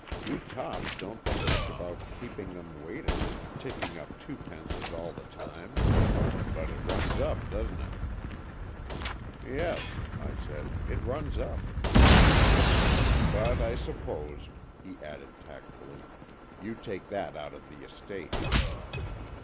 " You toffs don't think much about keeping them waiting, ticking up twopences all the time. But it runs up, doesn't it?" "Yes," I said, "it runs up." AN EXCHANGE OF SOULS 103 " But I suppose/" he added tactfully, '' you take that out of the estate.